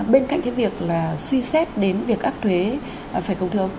bên cạnh cái việc là suy xét đến việc áp thuế phải không thưa ông